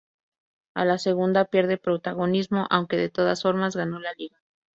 A la segunda pierde protagonismo aunque de todas formas ganó la Liga.